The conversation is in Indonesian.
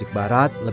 pada sekat kedua